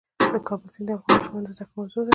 د کابل سیند د افغان ماشومانو د زده کړې موضوع ده.